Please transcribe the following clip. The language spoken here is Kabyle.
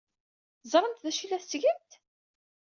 Teẓramt d acu ay la tettgemt?